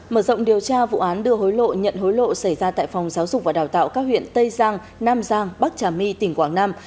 mở rộng điều tra vụ án đưa hối lộ nhận hối lộ xảy ra tại phòng giáo dục và đào tạo các huyện tây giang nam giang bắc trà my tỉnh quảng nam